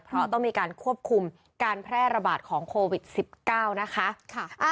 เพราะต้องมีการควบคุมการแพร่ระบาดของโควิด๑๙นะคะ